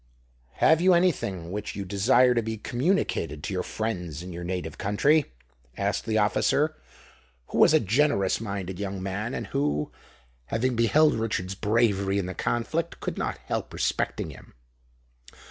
"Have you any thing which you desire to be communicated to your friends in your native country?" asked the officer, who was a generous minded young man, and who, having beheld Richard's bravery in the conflict, could not help respecting him.